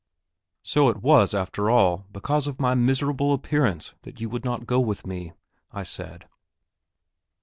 "So it was, after all, because of my miserable appearance that you would not go with me?" I said.